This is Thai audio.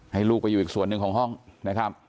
ให้ลูกไปอยู่อีกส่วนหนึ่งของห้องนะครับ